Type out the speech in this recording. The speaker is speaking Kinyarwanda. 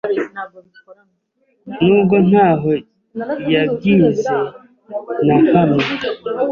n’ubwo ntaho yabyize nahamwe,